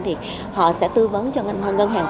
thì họ sẽ tư vấn cho ngân hàng